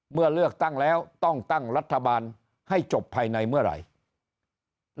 เมื่อเลือกตั้งแล้วต้องตั้งรัฐบาลให้จบภายในเมื่อไหร่